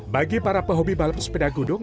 bagi para pehobi balap sepeda gudung